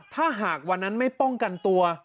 ถ้าหากวันนั้นไม่ป้องกันตัว